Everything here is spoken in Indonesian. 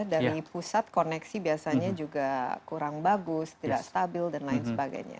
dari pusat koneksi biasanya juga kurang bagus tidak stabil dan lain sebagainya